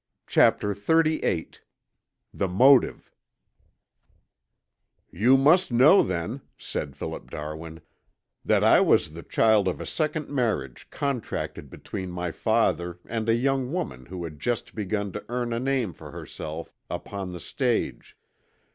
CHAPTER XXXVIII THE MOTIVE "You must know, then," said Philip Darwin, "that I was the child of a second marriage contracted between my father and a young woman who had just begun to earn a name for herself upon the stage.